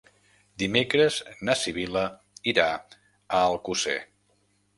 Dimecres na Sibil·la irà a Alcosser.